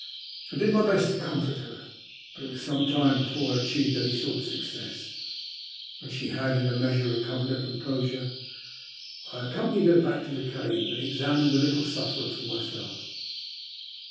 I did my best to comfort her, but it was some time before I achieved any sort of success. When she had in a measure recovered her composure, I accompanied her back to the cave and examined the little sufferer for myself.